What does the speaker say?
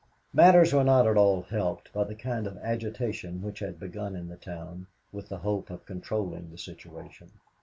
Matters were not at all helped by the kind of agitation which had begun in the town, with the hope of controlling the situation.